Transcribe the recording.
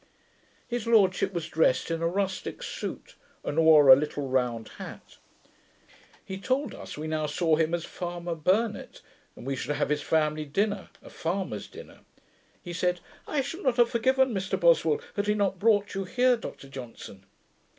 His lordship was drest in a rustick suit, and wore a little round hat; he told us, we now saw him as Farmer Burnett, and we should have his family dinner, a farmer's dinner. He said, 'I should not have forgiven Mr Boswell, had he not brought you here, Dr Johnson.'